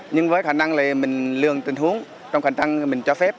nhưng với khả năng là mình lường tình huống trong khả năng mình cho phép